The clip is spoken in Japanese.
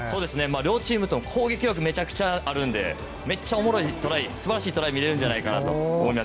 両チームとも攻撃力めちゃくちゃあるんで、めっちゃおもろいトライ、すばらしいトライが見れるんじゃないかと思います。